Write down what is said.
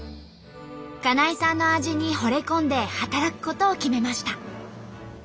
金井さんの味にほれ込んで働くことを決めました。